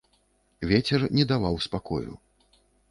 Вецер не даваў спакою.